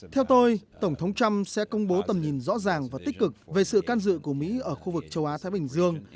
theo tôi tổng thống trump sẽ công bố tầm nhìn rõ ràng và tích cực về sự can dự của mỹ ở khu vực châu á thái bình dương